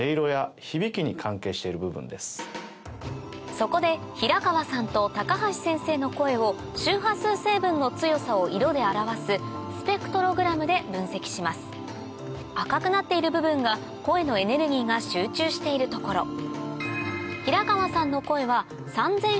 そこで平川さんと高橋先生の声を周波数成分の強さを色で表すスペクトログラムで分析します赤くなっている部分が声のエネルギーが集中している所平川さんの声は３０００